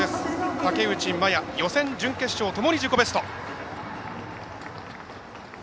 竹内真弥、予選、準決勝ともに自己ベスト。